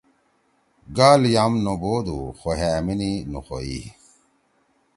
گال یام نہ بودُو خو ہے آمِنے نخوئی۔